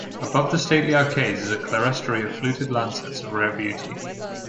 Above the stately arcades is a clerestory of fluted lancets of rare beauty.